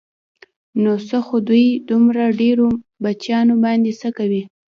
نو څه خو دوی دومره ډېرو بچیانو باندې څه کوي.